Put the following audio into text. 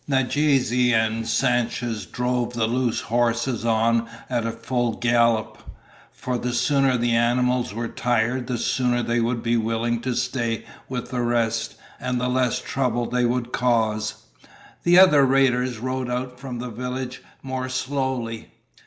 Nadeze and Sanchez drove the loose horses on at full gallop, for the sooner the animals were tired the sooner they would be willing to stay with the rest and the less trouble they would cause. The other raiders rode out from the village more slowly.